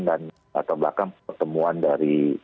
dan atau bahkan pertemuan dari